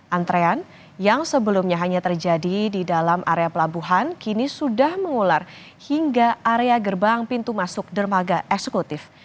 antrean yang sebelumnya hanya terjadi di dalam area pelabuhan kini sudah mengular hingga area gerbang pintu masuk dermaga eksekutif